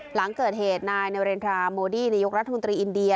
หลังเกิดเหตุนายนาเรนทราโมดี้นายกรัฐมนตรีอินเดีย